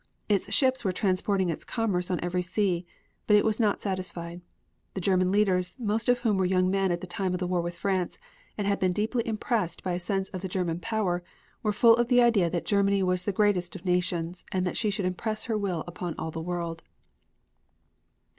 Its ships were transporting its commerce on every sea, but it was not satisfied. The German leaders, most of whom were young men at the time of the war with France, and had been deeply impressed by a sense of the German power, were full of the idea that Germany was the greatest of nations, and that she should impress her will on all the world.